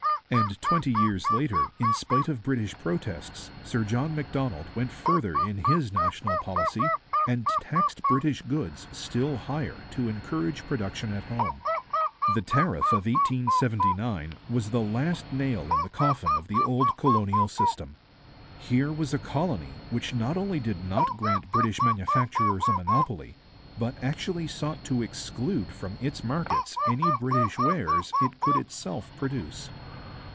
And twenty years later, in spite of British protests, Sir John Macdonald went further in his National Policy, and taxed British goods still higher to encourage production at home. The tariff of 1879 was the last nail in the coffin of the old colonial system. Here was a colony which not only did not grant British manufacturers a monopoly, but actually sought to exclude from its markets any British wares it could itself produce.